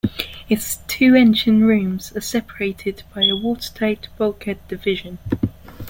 Its two engine rooms are separated by a watertight bulkhead division.